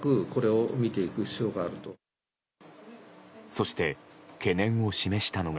そして懸念を示したのが。